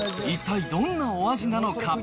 一体どんなお味なのか？